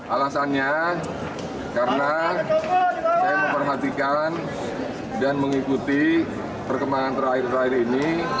alasannya karena saya memperhatikan dan mengikuti perkembangan terakhir terakhir ini